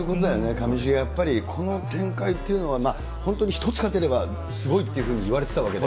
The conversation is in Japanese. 上重、やっぱりこの展開っていうのは、本当に１つ勝てればすごいっていうふうにいわれてたわけで。